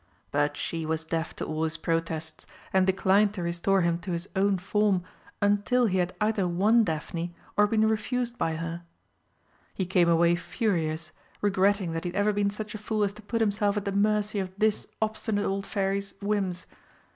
But she was deaf to all his protests, and declined to restore him to his own form until he had either won Daphne or been refused by her. He came away furious, regretting that he had ever been such a fool as to put himself at the mercy of this obstinate old Fairy's whims.